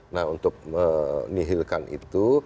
nah untuk menihilkan itu